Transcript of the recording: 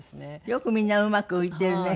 よくみんなうまく浮いているね。